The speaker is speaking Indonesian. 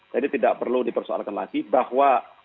jadi tidak perlu diperkirakan lagi bahwa